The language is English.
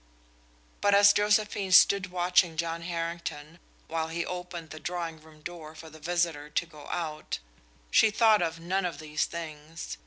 But as Josephine stood watching John Harrington while he opened the drawing room door for the visitor to go out, she thought of none of these things.